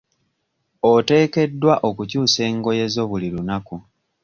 Oteekeddwa okukyusa engoye zo buli lunaku.